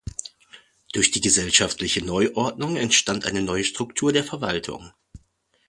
Durch die gesellschaftliche Neuordnung entstand eine neue Struktur der Verwaltung.